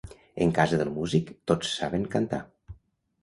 En casa del músic tots saben cantar.